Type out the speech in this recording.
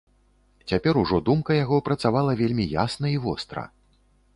Цяпер ужо думка яго працавала вельмі ясна і востра.